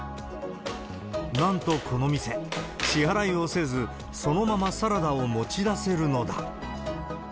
なんとこの店、支払いをせず、そのままサラダを持ち出せるのだ。